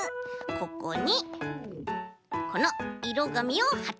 ここにこのいろがみをはっていきます。